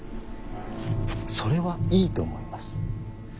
それはいいと思います。